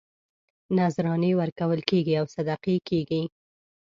نذرانې ورکول کېږي او صدقې کېږي.